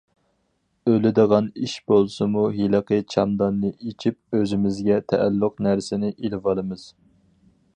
ئۆلىدىغان ئىش بولسىمۇ ھېلىقى چاماداننى ئېچىپ ئۆزىمىزگە تەئەللۇق نەرسىنى ئېلىۋالىمىز.